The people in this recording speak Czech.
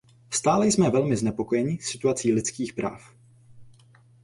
Stále jsme velmi znepokojeni situací lidských práv.